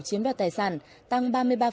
chiếm đoạt tài sản tăng ba mươi ba